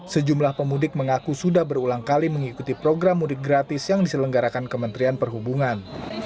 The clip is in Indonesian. sejumlah pemudik mengaku sudah berulang kali mengikuti program mudik gratis yang diselenggarakan kementerian perhubungan